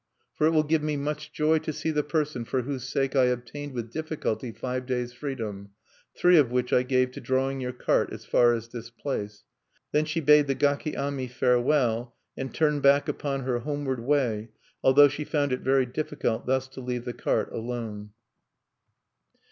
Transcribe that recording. "For it will give me much joy to see the person for whose sake I obtained with difficulty five days' freedom, three of which I gave to drawing your cart as far as this place." Then she bade the gaki ami farewell, and turned back upon her homeward way, although she found it very difficult thus to leave the cart alone.